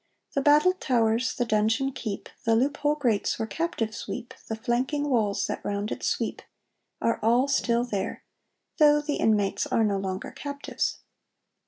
The battled towers, the donjon keep, The loophole grates where captives weep, The flanking walls that round it sweep' are all still there, though the inmates are no longer captives.